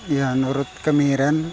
ya menurut kemiren